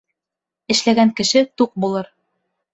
Эшләгән кеше туҡ булыр